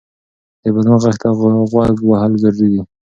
د بدن غږ ته غوږ وهل ضروري دی.